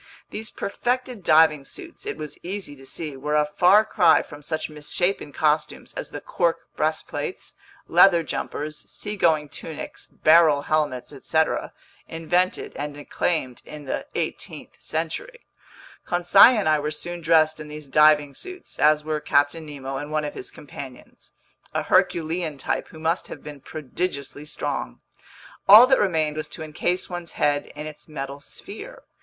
These perfected diving suits, it was easy to see, were a far cry from such misshapen costumes as the cork breastplates, leather jumpers, seagoing tunics, barrel helmets, etc., invented and acclaimed in the 18th century. Conseil and I were soon dressed in these diving suits, as were Captain Nemo and one of his companions—a herculean type who must have been prodigiously strong. All that remained was to encase one's head in its metal sphere.